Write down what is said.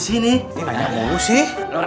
selesai duri itu